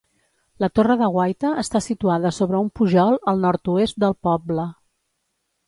La torre de guaita està situada sobre un pujol al nord-oest del poble.